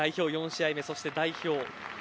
４試合目そして代表